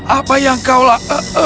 apa yang kaulah